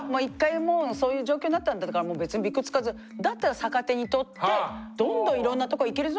もうそういう状況になったんだからもう別にビクつかずだったら逆手にとってどんどんいろんなとこ行けるぞ！